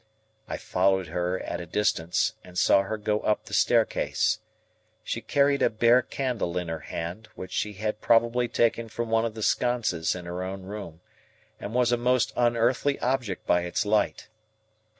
I followed her at a distance, and saw her go up the staircase. She carried a bare candle in her hand, which she had probably taken from one of the sconces in her own room, and was a most unearthly object by its light.